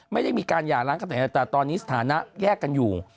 ไม่ได้มีการหย่าล้างกันแต่ตอนนี้สถานะแยกกันอยู่